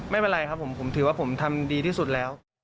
ไม่เป็นไรครับผมผมถือว่าผมทำดีที่สุดแล้ว